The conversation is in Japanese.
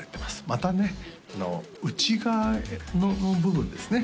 またね内側の部分ですね